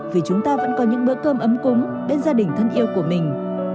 vào những bữa cơm ấm cúng bên gia đình thân yêu của mình